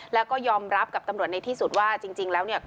แล้วก็ยอมรับกับตำรวจในที่สุดว่าจริงแล้วเนี่ย